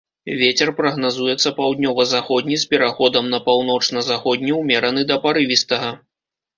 Вецер прагназуецца паўднёва-заходні з пераходам на паўночна-заходні ўмераны да парывістага.